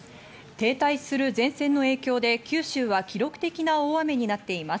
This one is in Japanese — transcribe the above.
停滞する前線の影響で九州は記録的な大雨になっています。